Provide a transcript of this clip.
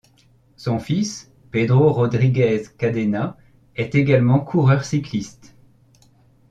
Son fils, Pedro Rodríguez Cadena est également coureur cycliste.